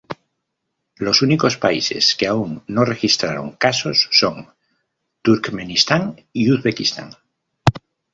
Los únicos países que aún no registraron casos son: Turkmenistán y Uzbekistán.